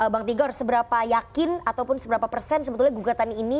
bang tigor seberapa yakin ataupun seberapa persen sebetulnya gugatan ini